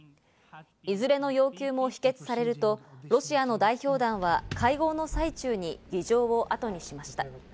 いずれの要求も否決されると、ロシアの代表団は会合の最中に議場をあとにしました。